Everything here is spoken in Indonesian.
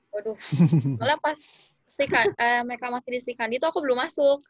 waduh sebenernya pas mereka masih di sri kandi tuh aku belum masuk